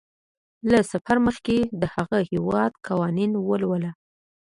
له سفر مخکې د هغه هیواد قوانین ولوله.